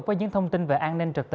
và chữa trị bệnh nhân